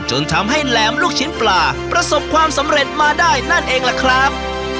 จนทำให้แหลมลูกชิ้นปลาประสบความสำเร็จมาได้นั่นเองล่ะครับ